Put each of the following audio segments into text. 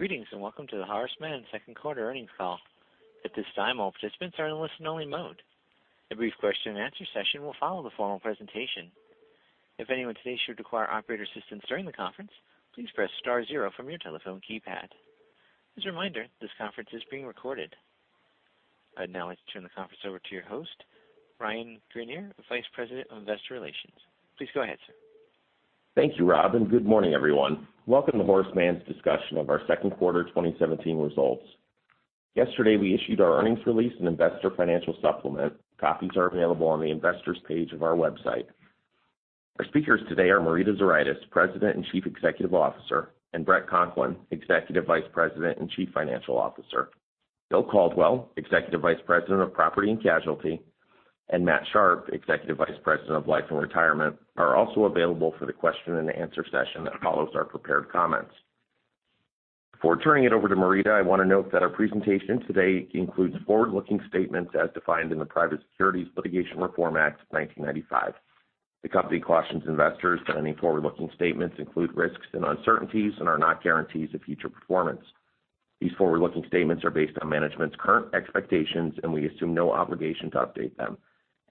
Greetings, and welcome to the Horace Mann second quarter earnings call. At this time, all participants are in listen-only mode. A brief question-and-answer session will follow the formal presentation. If anyone today should require operator assistance during the conference, please press star zero from your telephone keypad. As a reminder, this conference is being recorded. I'd now like to turn the conference over to your host, Ryan Greenier, the Vice President of Investor Relations. Please go ahead, sir. Thank you, Rob, and good morning, everyone. Welcome to Horace Mann's discussion of our second quarter 2017 results. Yesterday, we issued our earnings release and investor financial supplement. Copies are available on the investors page of our website. Our speakers today are Marita Zuraitis, President and Chief Executive Officer, and Bret Conklin, Executive Vice President and Chief Financial Officer. Will Caldwell, Executive Vice President of Property & Casualty, and Matt Sharpe, Executive Vice President of Life and Retirement, are also available for the question-and-answer session that follows our prepared comments. Before turning it over to Marita, I want to note that our presentation today includes forward-looking statements as defined in the Private Securities Litigation Reform Act of 1995. The company cautions investors that any forward-looking statements include risks and uncertainties and are not guarantees of future performance. These forward-looking statements are based on management's current expectations, and we assume no obligation to update them.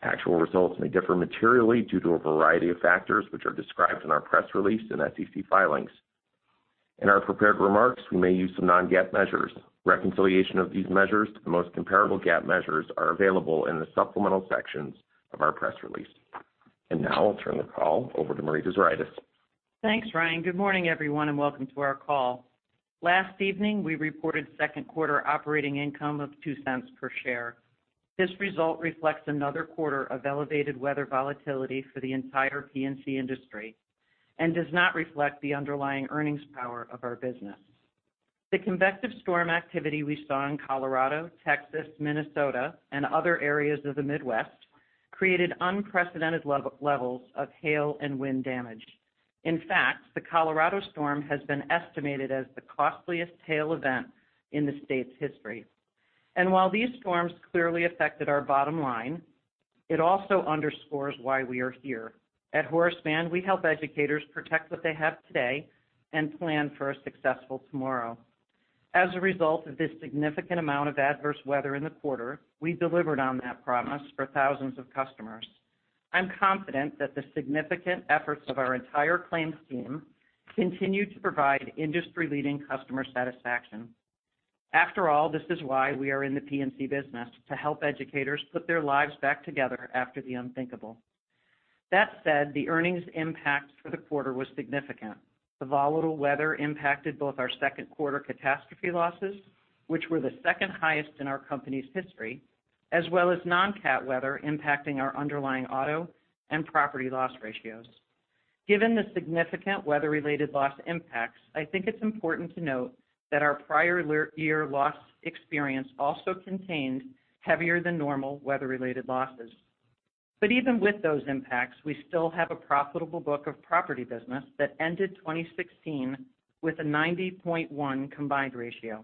Actual results may differ materially due to a variety of factors, which are described in our press release and SEC filings. In our prepared remarks, we may use some non-GAAP measures. Reconciliation of these measures to the most comparable GAAP measures are available in the supplemental sections of our press release. Now I'll turn the call over to Marita Zuraitis. Thanks, Ryan. Good morning, everyone, and welcome to our call. Last evening, we reported second quarter operating income of $0.02 per share. This result reflects another quarter of elevated weather volatility for the entire P&C industry and does not reflect the underlying earnings power of our business. The convective storm activity we saw in Colorado, Texas, Minnesota, and other areas of the Midwest created unprecedented levels of hail and wind damage. In fact, the Colorado storm has been estimated as the costliest hail event in the state's history. While these storms clearly affected our bottom line, it also underscores why we are here. At Horace Mann, we help educators protect what they have today and plan for a successful tomorrow. As a result of this significant amount of adverse weather in the quarter, we delivered on that promise for thousands of customers. I'm confident that the significant efforts of our entire claims team continue to provide industry-leading customer satisfaction. After all, this is why we are in the P&C business, to help educators put their lives back together after the unthinkable. That said, the earnings impact for the quarter was significant. The volatile weather impacted both our second quarter catastrophe losses, which were the second highest in our company's history, as well as non-cat weather impacting our underlying auto and property loss ratios. Given the significant weather-related loss impacts, I think it's important to note that our prior year loss experience also contained heavier than normal weather-related losses. Even with those impacts, we still have a profitable book of property business that ended 2016 with a 90.1 combined ratio.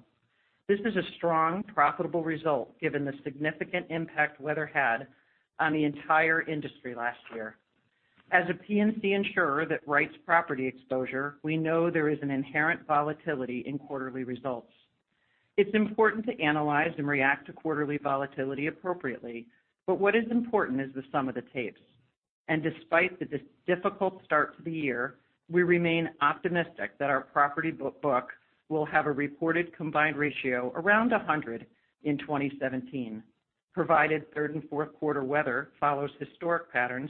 This is a strong, profitable result given the significant impact weather had on the entire industry last year. As a P&C insurer that writes property exposure, we know there is an inherent volatility in quarterly results. It's important to analyze and react to quarterly volatility appropriately, what is important is the sum of the parts. Despite the difficult start to the year, we remain optimistic that our property book will have a reported combined ratio around 100 in 2017, provided third and fourth quarter weather follows historic patterns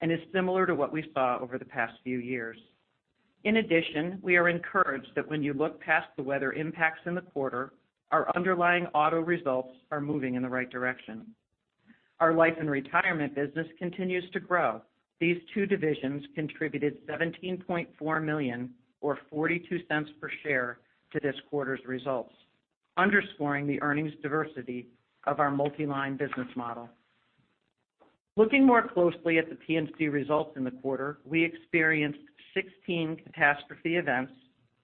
and is similar to what we saw over the past few years. In addition, we are encouraged that when you look past the weather impacts in the quarter, our underlying auto results are moving in the right direction. Our Life & Retirement business continues to grow. These two divisions contributed $17.4 million or $0.42 per share to this quarter's results, underscoring the earnings diversity of our multi-line business model. Looking more closely at the P&C results in the quarter, we experienced 16 catastrophe events,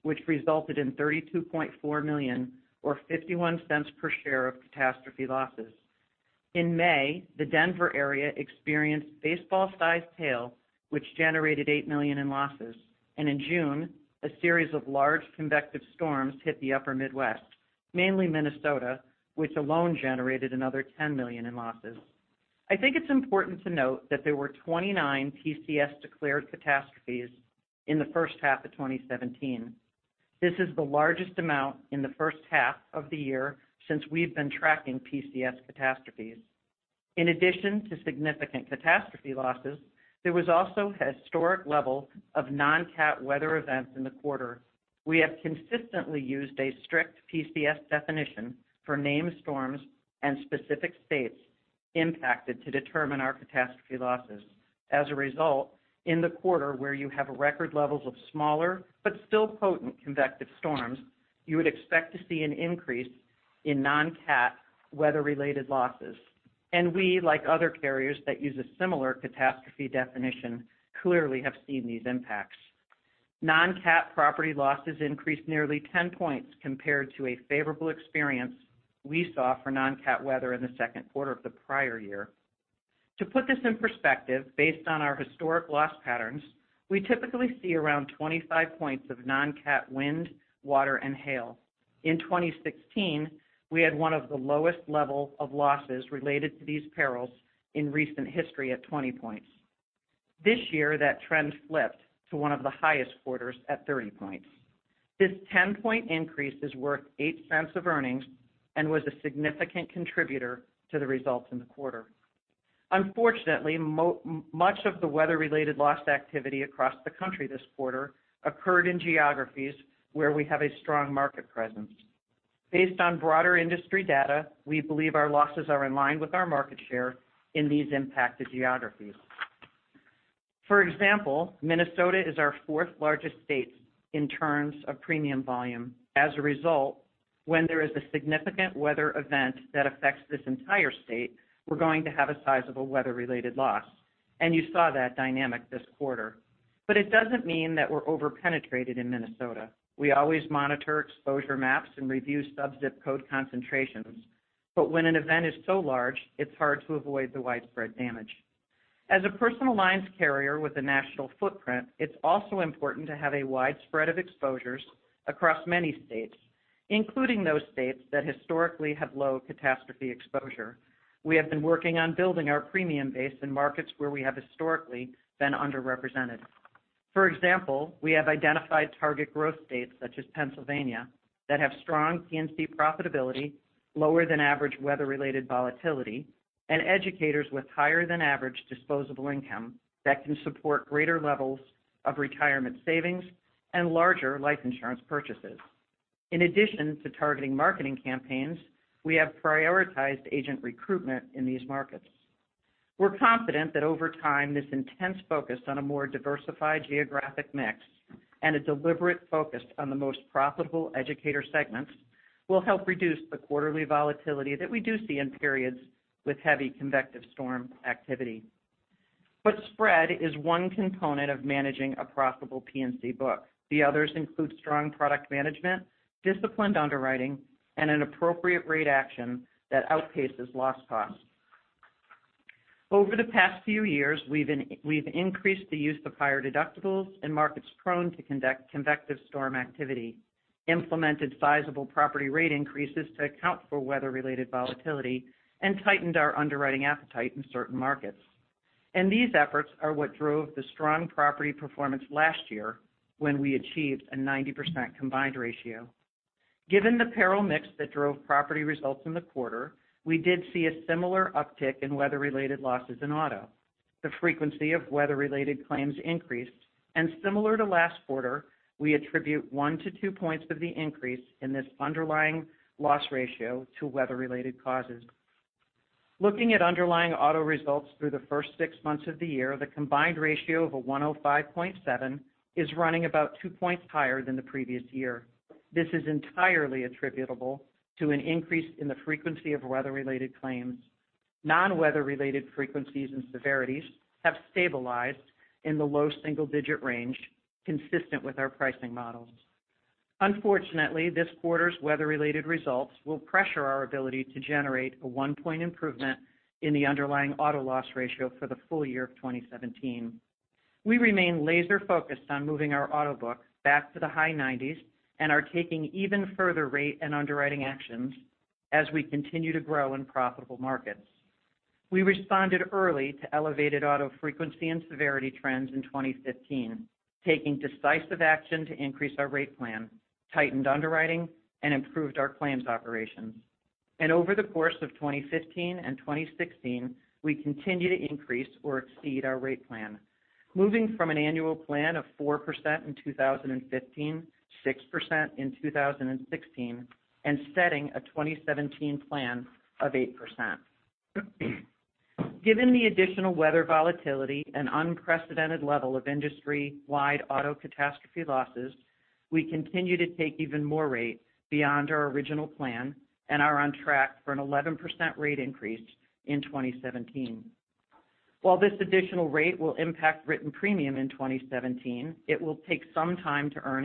which resulted in $32.4 million or $0.51 per share of catastrophe losses. In May, the Denver area experienced baseball-sized hail, which generated $8 million in losses, and in June, a series of large convective storms hit the upper Midwest, mainly Minnesota, which alone generated another $10 million in losses. I think it's important to note that there were 29 PCS-declared catastrophes in the first half of 2017. This is the largest amount in the first half of the year since we've been tracking PCS catastrophes. In addition to significant catastrophe losses, there was also a historic level of non-cat weather events in the quarter. We have consistently used a strict PCS definition for named storms and specific states impacted to determine our catastrophe losses. As a result, in the quarter where you have record levels of smaller but still potent convective storms, you would expect to see an increase in non-cat weather-related losses. We, like other carriers that use a similar catastrophe definition, clearly have seen these impacts. Non-cat property losses increased nearly 10 points compared to a favorable experience we saw for non-cat weather in the second quarter of the prior year. To put this in perspective, based on our historic loss patterns, we typically see around 25 points of non-cat wind, water, and hail. In 2016, we had one of the lowest level of losses related to these perils in recent history at 20 points. This year, that trend flipped to one of the highest quarters at 30 points. This 10-point increase is worth $0.08 of earnings and was a significant contributor to the results in the quarter. Unfortunately, much of the weather-related loss activity across the country this quarter occurred in geographies where we have a strong market presence. Based on broader industry data, we believe our losses are in line with our market share in these impacted geographies. For example, Minnesota is our fourth-largest state in terms of premium volume. As a result, when there is a significant weather event that affects this entire state, we're going to have a sizable weather-related loss, and you saw that dynamic this quarter. It doesn't mean that we're over-penetrated in Minnesota. We always monitor exposure maps and review sub-ZIP code concentrations. When an event is so large, it's hard to avoid the widespread damage. As a personal lines carrier with a national footprint, it's also important to have a wide spread of exposures across many states, including those states that historically have low catastrophe exposure. We have been working on building our premium base in markets where we have historically been underrepresented. For example, we have identified target growth states such as Pennsylvania that have strong P&C profitability, lower than average weather-related volatility, and educators with higher than average disposable income that can support greater levels of retirement savings and larger life insurance purchases. In addition to targeting marketing campaigns, we have prioritized agent recruitment in these markets. We're confident that over time, this intense focus on a more diversified geographic mix and a deliberate focus on the most profitable educator segments will help reduce the quarterly volatility that we do see in periods with heavy convective storm activity. Spread is one component of managing a profitable P&C book. The others include strong product management, disciplined underwriting, and an appropriate rate action that outpaces loss cost. Over the past few years, we've increased the use of higher deductibles in markets prone to convective storm activity, implemented sizable property rate increases to account for weather-related volatility, and tightened our underwriting appetite in certain markets. These efforts are what drove the strong property performance last year when we achieved a 90% combined ratio. Given the peril mix that drove property results in the quarter, we did see a similar uptick in weather-related losses in auto. The frequency of weather-related claims increased, and similar to last quarter, we attribute one to two points of the increase in this underlying loss ratio to weather-related causes. Looking at underlying auto results through the first six months of the year, the combined ratio of 105.7 is running about two points higher than the previous year. This is entirely attributable to an increase in the frequency of weather-related claims. Non-weather-related frequencies and severities have stabilized in the low single-digit range, consistent with our pricing models. Unfortunately, this quarter's weather-related results will pressure our ability to generate a one-point improvement in the underlying auto loss ratio for the full year of 2017. We remain laser-focused on moving our auto book back to the high 90s and are taking even further rate and underwriting actions as we continue to grow in profitable markets. We responded early to elevated auto frequency and severity trends in 2015, taking decisive action to increase our rate plan, tightened underwriting, and improved our claims operations. Over the course of 2015 and 2016, we continued to increase or exceed our rate plan. Moving from an annual plan of 4% in 2015, 6% in 2016, and setting a 2017 plan of 8%. Given the additional weather volatility and unprecedented level of industry-wide auto catastrophe losses, we continue to take even more rate beyond our original plan and are on track for an 11% rate increase in 2017. While this additional rate will impact written premium in 2017, it will take some time to earn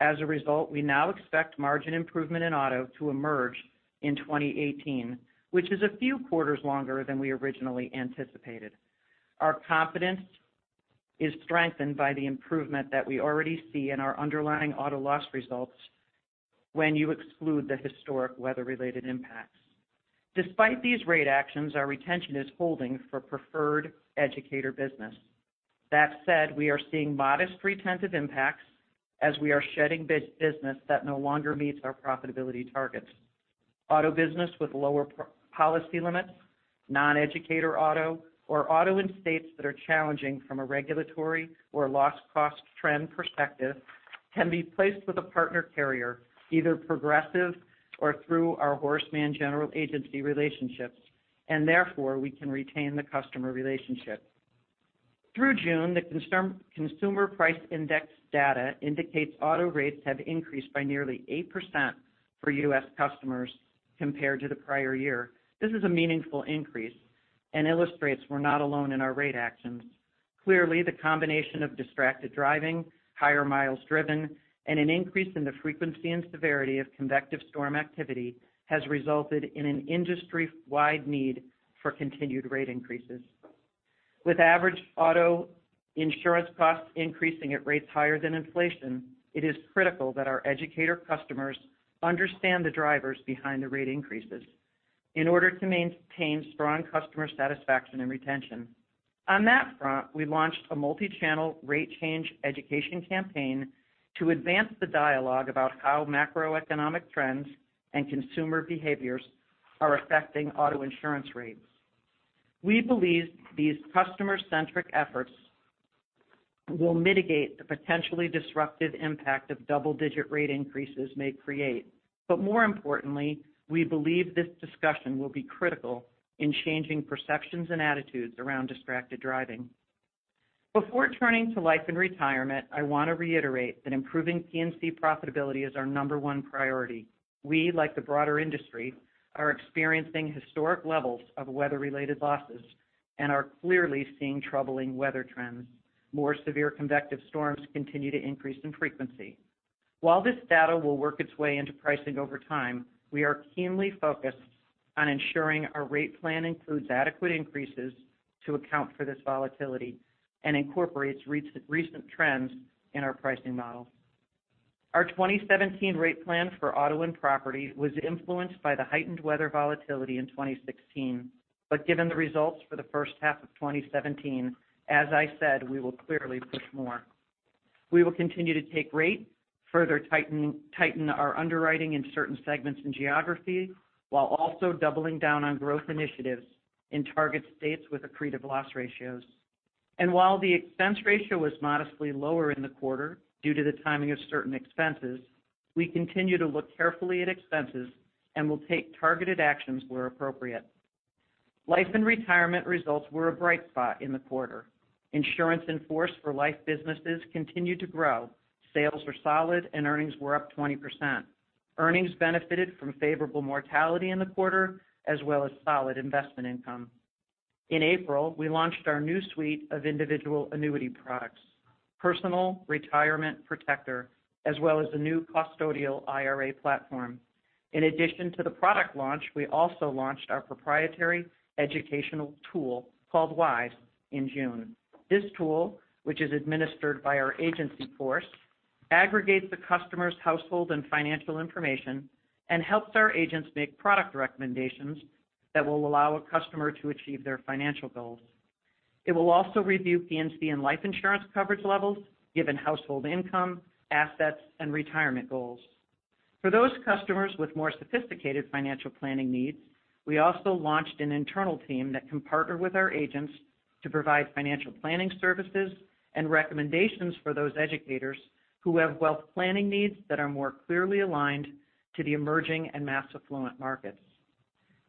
in. As a result, we now expect margin improvement in auto to emerge in 2018, which is a few quarters longer than we originally anticipated. Our confidence is strengthened by the improvement that we already see in our underlying auto loss results when you exclude the historic weather-related impacts. Despite these rate actions, our retention is holding for preferred educator business. That said, we are seeing modest retentive impacts as we are shedding business that no longer meets our profitability targets. Auto business with lower policy limits, non-educator auto, or auto in states that are challenging from a regulatory or loss cost trend perspective can be placed with a partner carrier, either Progressive or through our Horace Mann General Agency relationships. Therefore, we can retain the customer relationship. Through June, the Consumer Price Index data indicates auto rates have increased by nearly 8% for U.S. customers compared to the prior year. This is a meaningful increase and illustrates we are not alone in our rate actions. Clearly, the combination of distracted driving, higher miles driven, and an increase in the frequency and severity of convective storm activity has resulted in an industry-wide need for continued rate increases. With average auto insurance costs increasing at rates higher than inflation, it is critical that our educator customers understand the drivers behind the rate increases in order to maintain strong customer satisfaction and retention. On that front, we launched a multi-channel rate change education campaign to advance the dialogue about how macroeconomic trends and consumer behaviors are affecting auto insurance rates. We believe these customer-centric efforts will mitigate the potentially disruptive impact of double-digit rate increases may create. More importantly, we believe this discussion will be critical in changing perceptions and attitudes around distracted driving. Before turning to Life & Retirement, I want to reiterate that improving P&C profitability is our number one priority. We, like the broader industry, are experiencing historic levels of weather-related losses and are clearly seeing troubling weather trends. More severe convective storms continue to increase in frequency. While this data will work its way into pricing over time, we are keenly focused on ensuring our rate plan includes adequate increases to account for this volatility and incorporates recent trends in our pricing model. Our 2017 rate plan for auto and property was influenced by the heightened weather volatility in 2016. Given the results for the first half of 2017, as I said, we will clearly push more. We will continue to take rate, further tighten our underwriting in certain segments and geography, while also doubling down on growth initiatives in target states with accretive loss ratios. While the expense ratio was modestly lower in the quarter due to the timing of certain expenses, we continue to look carefully at expenses and will take targeted actions where appropriate. Life & Retirement results were a bright spot in the quarter. Insurance in force for life businesses continued to grow, sales were solid, and earnings were up 20%. Earnings benefited from favorable mortality in the quarter, as well as solid investment income. In April, we launched our new suite of individual annuity products, Personal Retirement Protector, as well as the new custodial IRA platform. In addition to the product launch, we also launched our proprietary educational tool called Wise in June. This tool, which is administered by our agency force, aggregates the customer's household and financial information and helps our agents make product recommendations that will allow a customer to achieve their financial goals. It will also review P&C and life insurance coverage levels given household income, assets, and retirement goals. For those customers with more sophisticated financial planning needs, we also launched an internal team that can partner with our agents to provide financial planning services and recommendations for those educators who have wealth planning needs that are more clearly aligned to the emerging and mass affluent markets.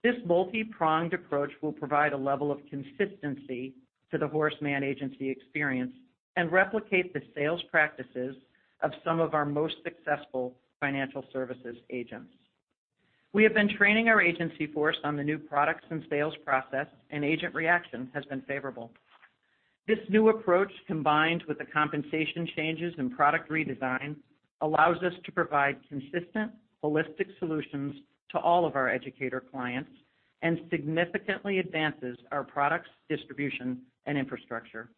This multi-pronged approach will provide a level of consistency to the Horace Mann agency experience and replicate the sales practices of some of our most successful financial services agents. We have been training our agency force on the new products and sales process, and agent reaction has been favorable. This new approach, combined with the compensation changes and product redesign, allows us to provide consistent, holistic solutions to all of our educator clients and significantly advances our products, distribution, and infrastructure.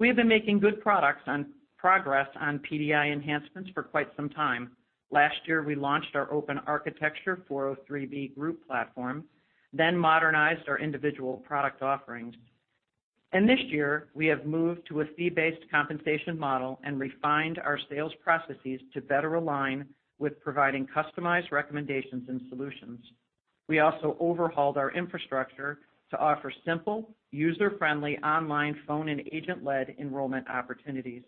We have been making good progress on PDI enhancements for quite some time. Last year, we launched our open architecture 403(b) group platform, then modernized our individual product offerings. This year, we have moved to a fee-based compensation model and refined our sales processes to better align with providing customized recommendations and solutions. We also overhauled our infrastructure to offer simple, user-friendly, online, phone, and agent-led enrollment opportunities.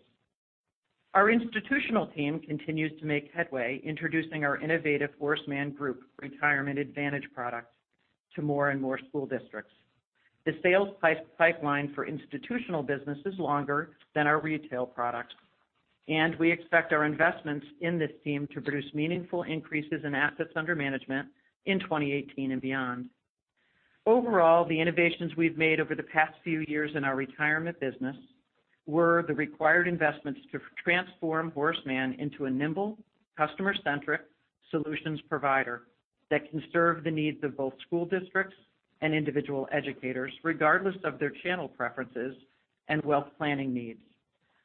Our institutional team continues to make headway introducing our innovative Horace Mann Retirement Advantage product to more and more school districts. The sales pipeline for institutional business is longer than our retail products, and we expect our investments in this team to produce meaningful increases in assets under management in 2018 and beyond. Overall, the innovations we've made over the past few years in our retirement business were the required investments to transform Horace Mann into a nimble, customer-centric solutions provider that can serve the needs of both school districts and individual educators, regardless of their channel preferences and wealth planning needs.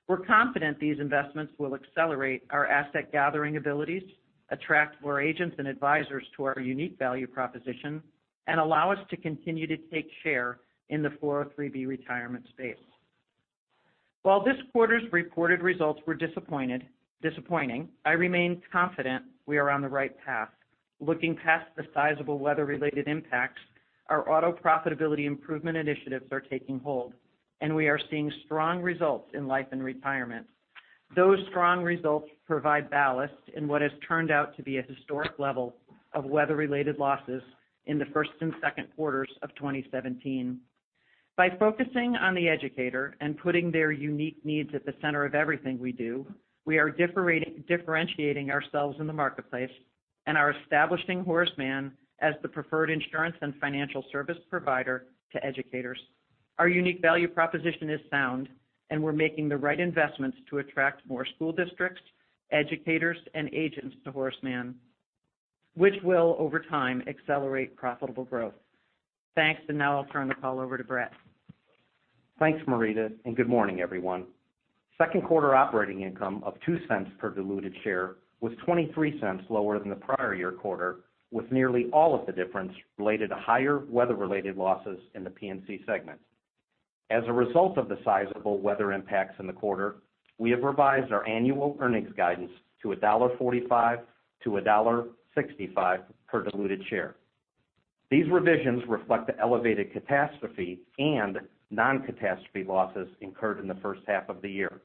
We're confident these investments will accelerate our asset gathering abilities, attract more agents and advisors to our unique value proposition, and allow us to continue to take share in the 403(b) retirement space. While this quarter's reported results were disappointing, I remain confident we are on the right path. Looking past the sizable weather-related impacts, our auto profitability improvement initiatives are taking hold, and we are seeing strong results in Life & Retirement. Those strong results provide ballast in what has turned out to be a historic level of weather-related losses in the first and second quarters of 2017. By focusing on the educator and putting their unique needs at the center of everything we do, we are differentiating ourselves in the marketplace and are establishing Horace Mann as the preferred insurance and financial service provider to educators. Our unique value proposition is sound, and we're making the right investments to attract more school districts, educators, and agents to Horace Mann, which will, over time, accelerate profitable growth. Thanks. Now I'll turn the call over to Bret. Thanks, Marita, good morning, everyone. Second quarter operating income of $0.02 per diluted share was $0.23 lower than the prior year quarter, with nearly all of the difference related to higher weather-related losses in the P&C segment. As a result of the sizable weather impacts in the quarter, we have revised our annual earnings guidance to $1.45 to $1.65 per diluted share. These revisions reflect the elevated catastrophe and non-catastrophe losses incurred in the first half of the year.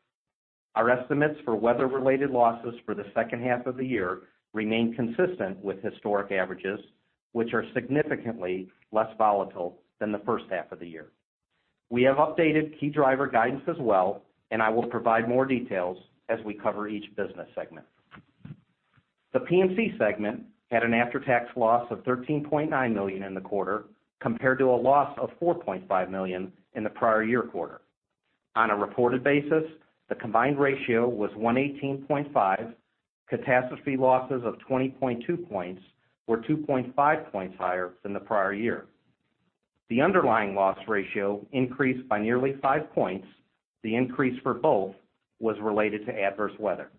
Our estimates for weather-related losses for the second half of the year remain consistent with historic averages, which are significantly less volatile than the first half of the year. We have updated key driver guidance as well. I will provide more details as we cover each business segment. The P&C segment had an after-tax loss of $13.9 million in the quarter compared to a loss of $4.5 million in the prior year quarter. On a reported basis, the combined ratio was 118.5. Catastrophe losses of 20.2 points were 2.5 points higher than the prior year. The underlying loss ratio increased by nearly five points. The increase for both was related to adverse weather.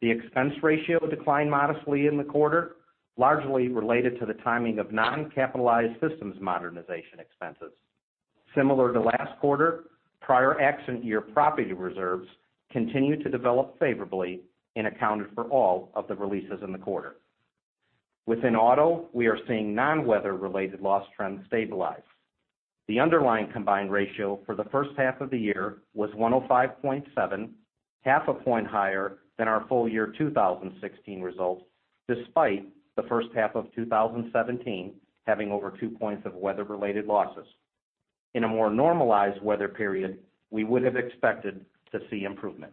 The expense ratio declined modestly in the quarter, largely related to the timing of non-capitalized systems modernization expenses. Similar to last quarter, prior accident year property reserves continued to develop favorably and accounted for all of the releases in the quarter. Within auto, we are seeing non-weather-related loss trends stabilize. The underlying combined ratio for the first half of the year was 105.7, half a point higher than our full year 2016 results, despite the first half of 2017 having over two points of weather-related losses. In a more normalized weather period, we would have expected to see improvement.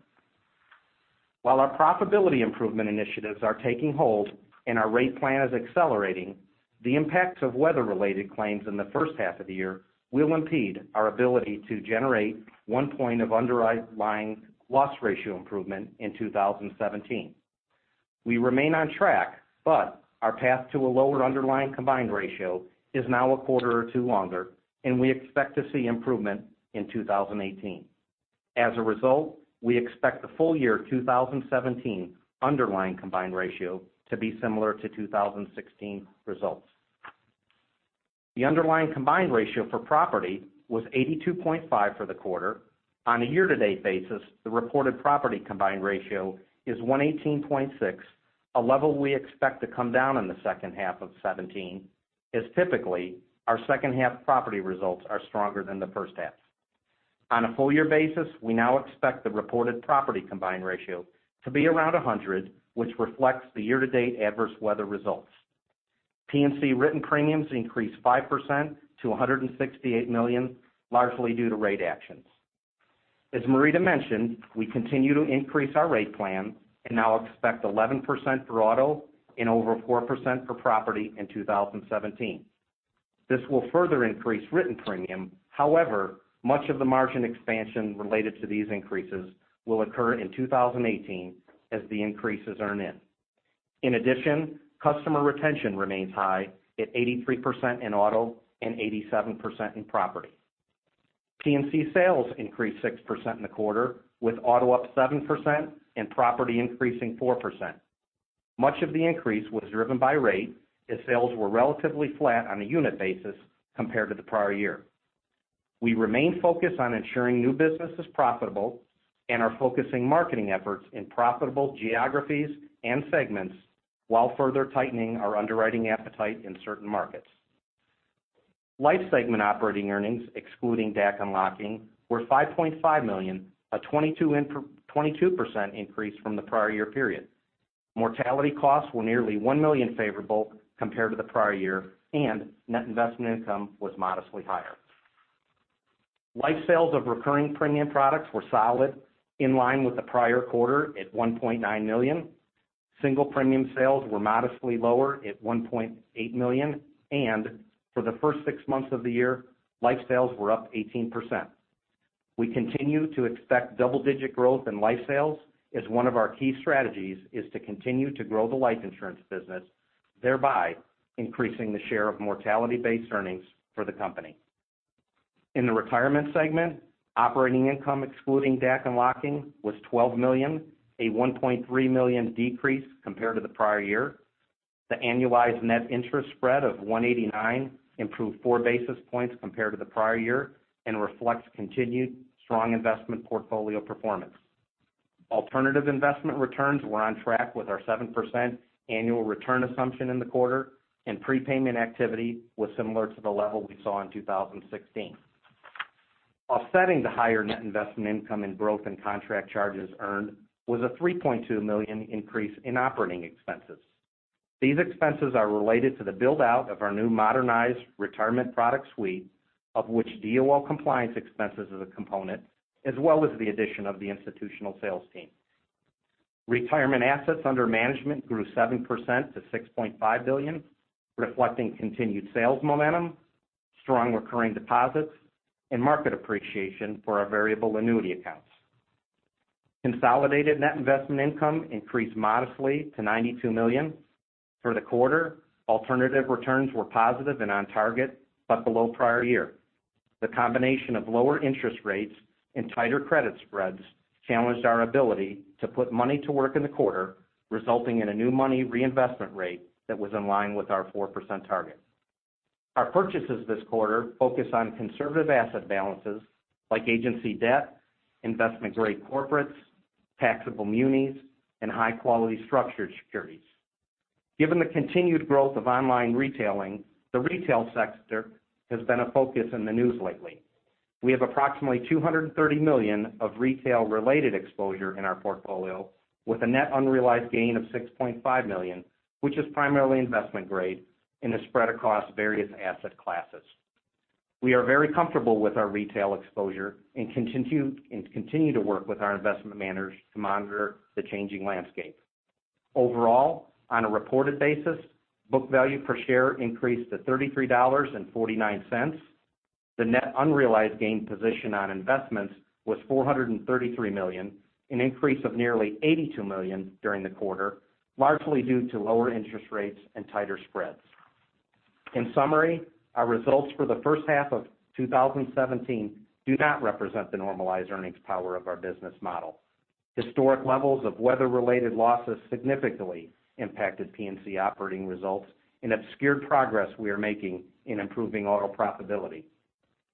While our profitability improvement initiatives are taking hold, our rate plan is accelerating, the impacts of weather-related claims in the first half of the year will impede our ability to generate one point of underlying loss ratio improvement in 2017. We remain on track, our path to a lower underlying combined ratio is now a quarter or two longer, we expect to see improvement in 2018. As a result, we expect the full year 2017 underlying combined ratio to be similar to 2016 results. The underlying combined ratio for property was 82.5 for the quarter. On a year-to-date basis, the reported property combined ratio is 118.6, a level we expect to come down in the second half of 2017, as typically, our second half property results are stronger than the first half. On a full year basis, we now expect the reported property combined ratio to be around 100, which reflects the year-to-date adverse weather results. P&C written premiums increased 5% to $168 million, largely due to rate actions. As Marita mentioned, we continue to increase our rate plan, now expect 11% for auto and over 4% for property in 2017. This will further increase written premium. However, much of the margin expansion related to these increases will occur in 2018 as the increases earn in. In addition, customer retention remains high at 83% in auto and 87% in property. P&C sales increased 6% in the quarter, with auto up 7% and property increasing 4%. Much of the increase was driven by rate, as sales were relatively flat on a unit basis compared to the prior year. We remain focused on ensuring new business is profitable and are focusing marketing efforts in profitable geographies and segments while further tightening our underwriting appetite in certain markets. Life segment operating earnings, excluding DAC unlocking, were $5.5 million, a 22% increase from the prior year period. Mortality costs were nearly $1 million favorable compared to the prior year, and net investment income was modestly higher. Life sales of recurring premium products were solid, in line with the prior quarter at $1.9 million. Single premium sales were modestly lower at $1.8 million, and for the first six months of the year, life sales were up 18%. We continue to expect double-digit growth in life sales, as one of our key strategies is to continue to grow the life insurance business, thereby increasing the share of mortality-based earnings for the company. In the retirement segment, operating income excluding DAC unlocking was $12 million, a $1.3 million decrease compared to the prior year. The annualized net interest spread of 189 improved four basis points compared to the prior year and reflects continued strong investment portfolio performance. Alternative investment returns were on track with our 7% annual return assumption in the quarter, and prepayment activity was similar to the level we saw in 2016. Offsetting the higher net investment income in growth and contract charges earned was a $3.2 million increase in operating expenses. These expenses are related to the build-out of our new modernized retirement product suite, of which DOL compliance expenses is a component, as well as the addition of the institutional sales team. Retirement assets under management grew 7% to $6.5 billion, reflecting continued sales momentum, strong recurring deposits, and market appreciation for our variable annuity accounts. Consolidated net investment income increased modestly to $92 million. For the quarter, alternative returns were positive and on target, but below prior year. The combination of lower interest rates and tighter credit spreads challenged our ability to put money to work in the quarter, resulting in a new money reinvestment rate that was in line with our 4% target. Our purchases this quarter focus on conservative asset balances like agency debt, investment-grade corporates, taxable munis, and high-quality structured securities. Given the continued growth of online retailing, the retail sector has been a focus in the news lately. We have approximately $230 million of retail-related exposure in our portfolio, with a net unrealized gain of $6.5 million, which is primarily investment-grade and is spread across various asset classes. We are very comfortable with our retail exposure and continue to work with our investment managers to monitor the changing landscape. Overall, on a reported basis, book value per share increased to $33.49. The net unrealized gain position on investments was $433 million, an increase of nearly $82 million during the quarter, largely due to lower interest rates and tighter spreads. In summary, our results for the first half of 2017 do not represent the normalized earnings power of our business model. Historic levels of weather-related losses significantly impacted P&C operating results and obscured progress we are making in improving auto profitability.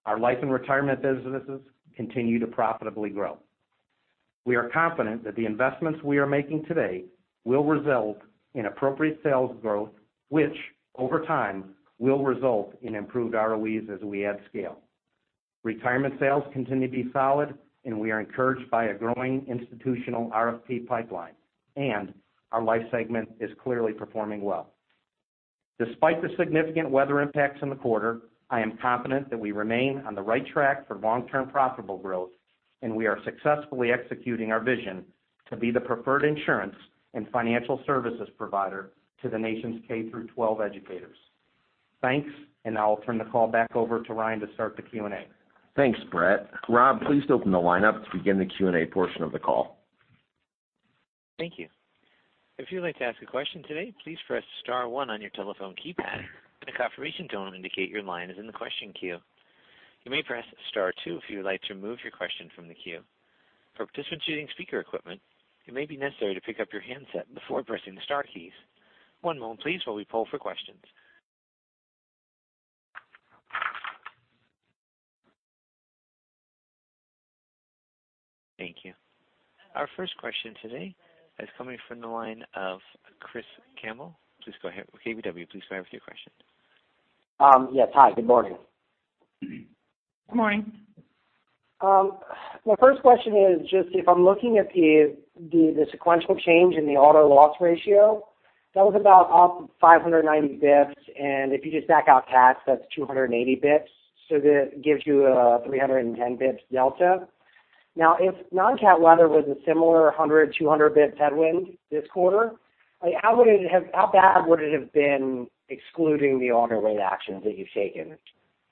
Our Life & Retirement businesses continue to profitably grow. We are confident that the investments we are making today will result in appropriate sales growth, which over time will result in improved ROEs as we add scale. Retirement sales continue to be solid, and we are encouraged by a growing institutional RFP pipeline, and our life segment is clearly performing well. Despite the significant weather impacts in the quarter, I am confident that we remain on the right track for long-term profitable growth, and we are successfully executing our vision to be the preferred insurance and financial services provider to the nation's K through 12 educators. Thanks, and now I'll turn the call back over to Ryan to start the Q&A. Thanks, Bret. Rob, please open the lineup to begin the Q&A portion of the call. Thank you. If you'd like to ask a question today, please press star one on your telephone keypad, and a confirmation tone will indicate your line is in the question queue. You may press star two if you'd like to remove your question from the queue. For participants using speaker equipment, it may be necessary to pick up your handset before pressing the star keys. One moment please while we poll for questions. Thank you. Our first question today is coming from the line of Chris Campbell. KBW. Please go ahead with your question. Yes. Hi, good morning. Good morning. My first question is just if I'm looking at the sequential change in the auto loss ratio, that was about up 590 basis points, and if you just back out CATs, that's 280 basis points. That gives you a 310 basis points delta. If non-CAT weather was a similar 100, 200 basis points headwind this quarter, how bad would it have been excluding the auto rate actions that you've taken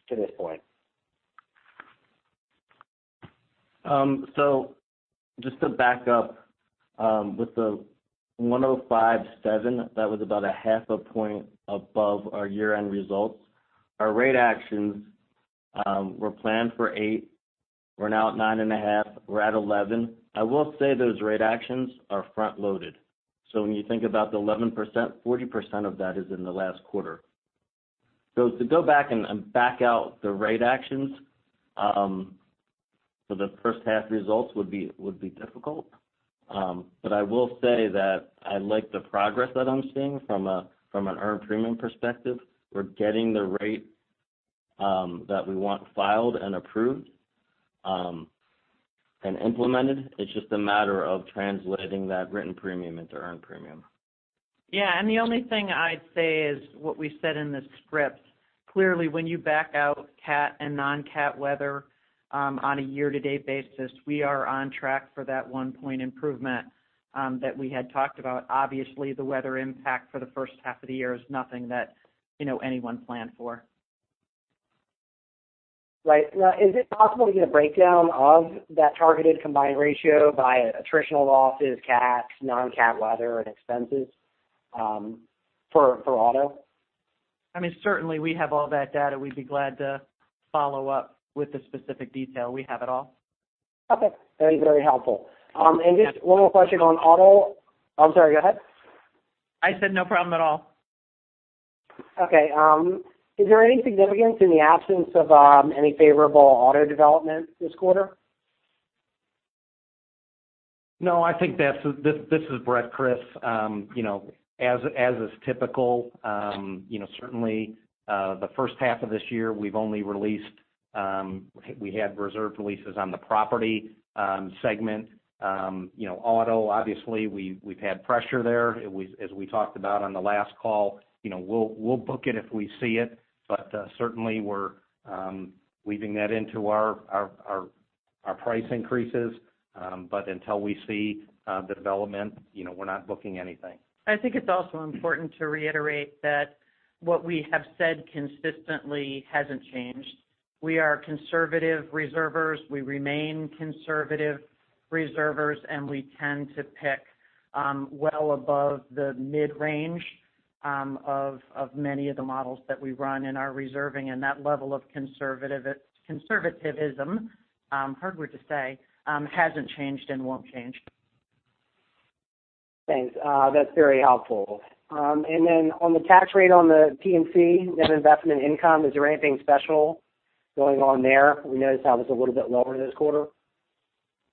to this point? Just to back up, with the 105.7, that was about a half a point above our year-end results. Our rate actions were planned for eight. We're now at nine and a half. We're at 11. I will say those rate actions are front-loaded. When you think about the 11%, 40% of that is in the last quarter. To go back and back out the rate actions for the first half results would be difficult. I will say that I like the progress that I'm seeing from an earned premium perspective. We're getting the rate that we want filed and approved and implemented. It's just a matter of translating that written premium into earned premium. The only thing I'd say is what we said in the script. Clearly, when you back out CAT and non-CAT weather on a year-to-date basis, we are on track for that one point improvement that we had talked about. Obviously, the weather impact for the first half of the year is nothing that anyone planned for. Right. Is it possible to get a breakdown of that targeted combined ratio by attritional losses, CATs, non-CAT weather, and expenses for auto? I mean, certainly we have all that data. We'd be glad to follow up with the specific detail. We have it all. Okay. Very helpful. Just one more question on auto. I'm sorry, go ahead. I said no problem at all. Okay. Is there any significance in the absence of any favorable auto development this quarter? No, this is Bret, Chris. As is typical, certainly the first half of this year, we had reserve releases on the property segment. Auto, obviously, we've had pressure there, as we talked about on the last call. We'll book it if we see it, but certainly we're weaving that into our Our price increases, but until we see development, we're not booking anything. I think it's also important to reiterate that what we have said consistently hasn't changed. We are conservative reservers. We remain conservative reservers, and we tend to pick well above the mid-range of many of the models that we run in our reserving, and that level of conservativism, hard word to say, hasn't changed and won't change. Thanks. That's very helpful. On the tax rate on the P&C, net investment income, is there anything special going on there? We noticed that was a little bit lower this quarter.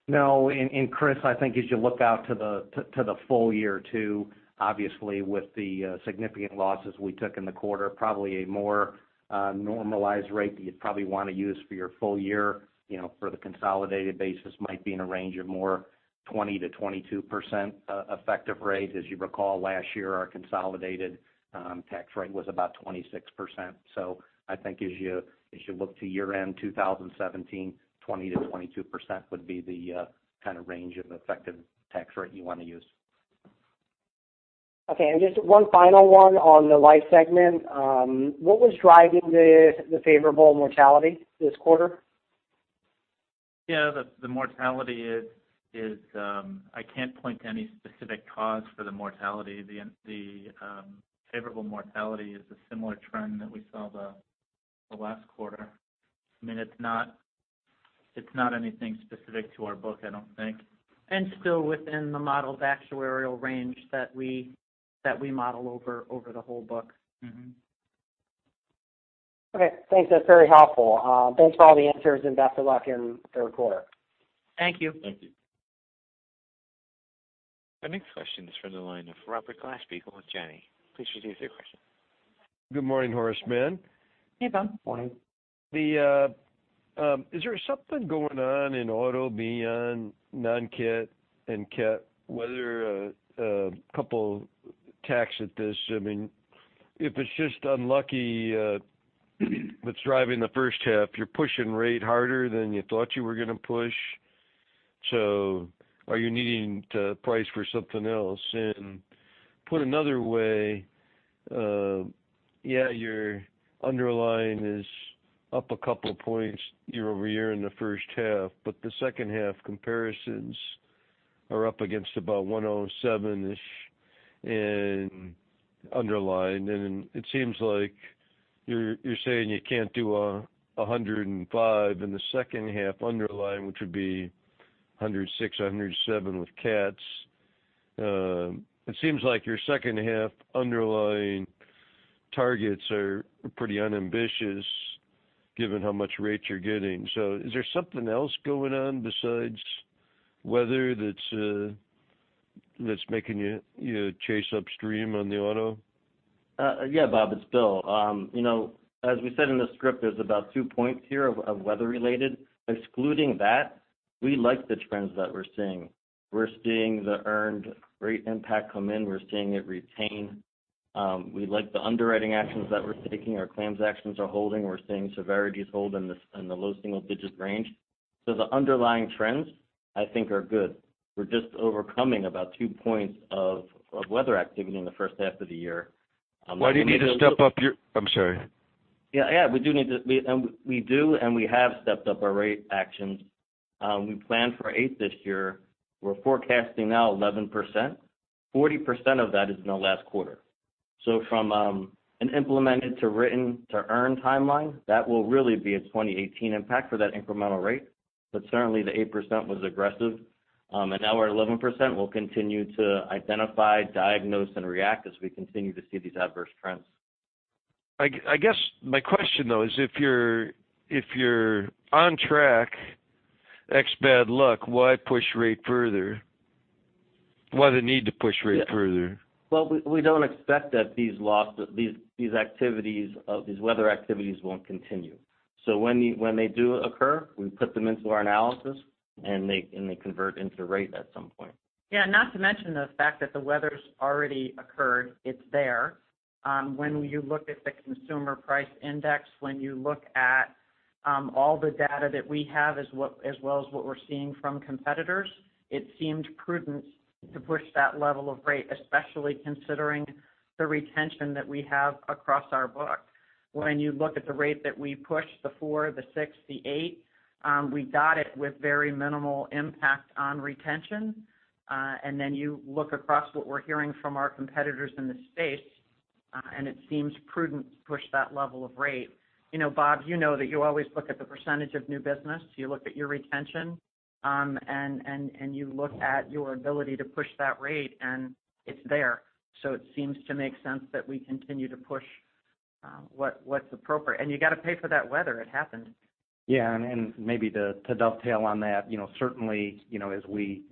No. Chris, I think as you look out to the full year too, obviously, with the significant losses we took in the quarter, probably a more normalized rate that you'd probably want to use for your full year, for the consolidated basis might be in a range of more 20%-22% effective rate. As you recall, last year, our consolidated tax rate was about 26%. I think as you look to year-end 2017, 20%-22% would be the kind of range of effective tax rate you want to use. Okay. Just one final one on the life segment. What was driving the favorable mortality this quarter? Yeah. The mortality, I can't point to any specific cause for the mortality. The favorable mortality is a similar trend that we saw the last quarter. It's not anything specific to our book, I don't think, and still within the modeled actuarial range that we model over the whole book. Okay, thanks. That's very helpful. Thanks for all the answers. Best of luck in the third quarter. Thank you. Thank you. Our next question is from the line of Robert Glasspiegel with Janney. Please proceed with your question. Good morning, Horace Mann. Hey, Bob. Morning. Is there something going on in auto beyond non-CAT and CAT, whether a couple tacks at this? If it's just unlucky, what's driving the first half, you're pushing rate harder than you thought you were going to push. Are you needing to price for something else? Put another way, yeah, your underlying is up a couple of points year-over-year in the first half, but the second half comparisons are up against about 107-ish in underlying, and it seems like you're saying you can't do 105 in the second half underlying, which would be 106, 107 with CATs. It seems like your second half underlying targets are pretty unambitious given how much rate you're getting. Is there something else going on besides weather that's making you chase upstream on the auto? Yeah, Bob, it's Bill. As we said in the script, there's about 2 points here of weather-related. Excluding that, we like the trends that we're seeing. We're seeing the earned rate impact come in. We're seeing it retain. We like the underwriting actions that we're taking. Our claims actions are holding. We're seeing severities hold in the low single-digit range. The underlying trends, I think, are good. We're just overcoming about 2 points of weather activity in the first half of the year. Why do you need to step up I'm sorry. Yeah, we do need to. We do, and we have stepped up our rate actions. We planned for 8% this year. We're forecasting now 11%. 40% of that is in the last quarter. From an implemented to written to earned timeline, that will really be a 2018 impact for that incremental rate. Certainly, the 8% was aggressive. Now we're at 11%, we'll continue to identify, diagnose, and react as we continue to see these adverse trends. I guess my question, though, is if you're on track, ex bad luck, why push rate further? Why the need to push rate further? Well, we don't expect that these weather activities won't continue. When they do occur, we put them into our analysis, and they convert into rate at some point. Yeah, not to mention the fact that the weather's already occurred. It's there. When you look at the Consumer Price Index, when you look at all the data that we have, as well as what we're seeing from competitors, it seemed prudent to push that level of rate, especially considering the retention that we have across our book. When you look at the rate that we pushed, the four, the six, the eight, we got it with very minimal impact on retention. You look across what we're hearing from our competitors in the space, and it seems prudent to push that level of rate. Bob, you know that you always look at the percentage of new business, you look at your retention, and you look at your ability to push that rate, and it's there. It seems to make sense that we continue to push what's appropriate. You got to pay for that weather. It happened. Yeah, maybe to dovetail on that, certainly, as we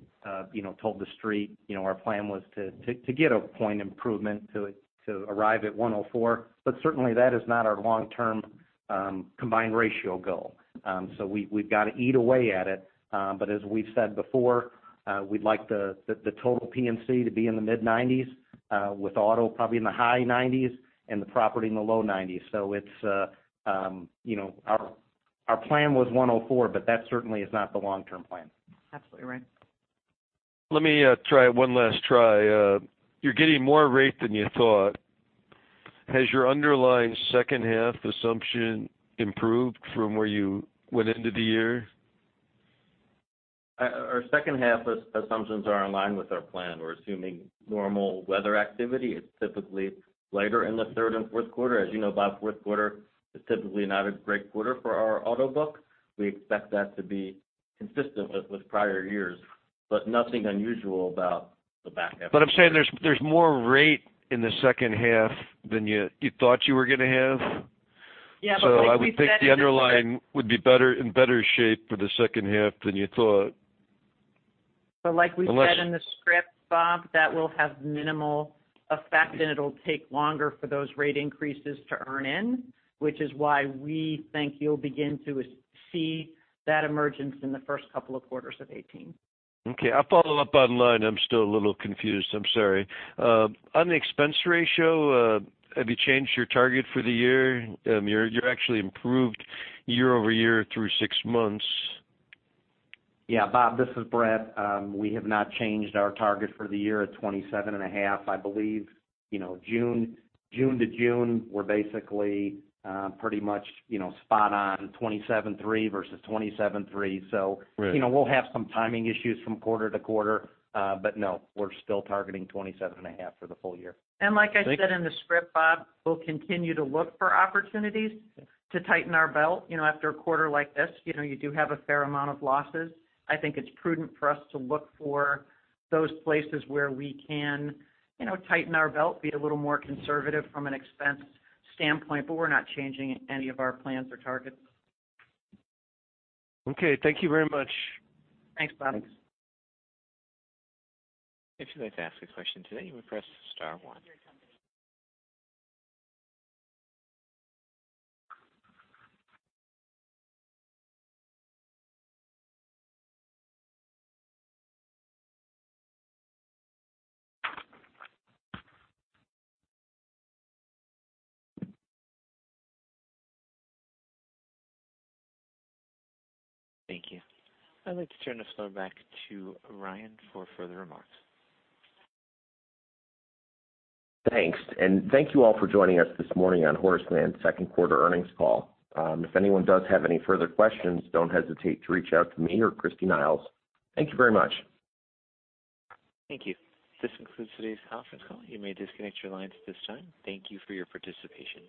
told the Street, our plan was to get a point improvement to arrive at 104. Certainly, that is not our long-term combined ratio goal. We've got to eat away at it. As we've said before, we'd like the total P&C to be in the mid-90s, with auto probably in the high 90s and the property in the low 90s. Our plan was 104, that certainly is not the long-term plan. Absolutely right. Let me try one last try. You're getting more rate than you thought. Has your underlying second half assumption improved from where you went into the year? Our second half assumptions are in line with our plan. We're assuming normal weather activity. It's typically later in the third and fourth quarter. As you know, Bob, fourth quarter is typically not a great quarter for our auto book. We expect that to be consistent with prior years. Nothing unusual about the back half. I'm saying there's more rate in the second half than you thought you were going to have. Yeah. I would think the underlying would be in better shape for the second half than you thought. Like we said in the script, Bob, that will have minimal effect, and it'll take longer for those rate increases to earn in, which is why we think you'll begin to see that emergence in the first couple of quarters of 2018. Okay. I'll follow up online. I'm still a little confused. I'm sorry. On the expense ratio, have you changed your target for the year? You actually improved year-over-year through six months. Yeah, Bob, this is Bret. We have not changed our target for the year at 27.5. I believe June to June, we're basically pretty much spot on 27.3 versus 27.3. Right. We'll have some timing issues from quarter to quarter. No, we're still targeting 27 and a half for the full year. Like I said in the script, Bob, we'll continue to look for opportunities to tighten our belt. After a quarter like this, you do have a fair amount of losses. I think it's prudent for us to look for those places where we can tighten our belt, be a little more conservative from an expense standpoint, but we're not changing any of our plans or targets. Okay, thank you very much. Thanks, Bob. Thanks. If you'd like to ask a question today, you would press star one. Thank you. I'd like to turn the floor back to Ryan for further remarks. Thank you all for joining us this morning on Horace Mann's second quarter earnings call. If anyone does have any further questions, don't hesitate to reach out to me or Christy Niles. Thank you very much. Thank you. This concludes today's conference call. You may disconnect your lines at this time. Thank you for your participation.